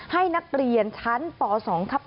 ให้นักเรียนชั้นป๒ทับ๑